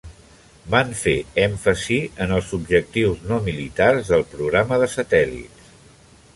Van fer èmfasi en els objectius no militars del programa de satèl·lits.